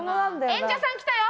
演者さん来たよ！